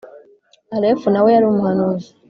Alefu nawe yari umuhanuzi